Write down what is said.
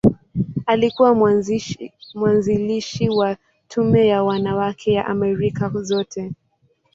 Alikuwa mwanzilishi wa Tume ya Wanawake ya Amerika Zote.